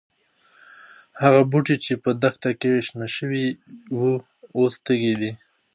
هغه بوټي چې په دښته کې شنه شوي وو، اوس تږي دي.